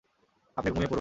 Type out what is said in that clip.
আপনি ঘুমিয়ে পড়ুন।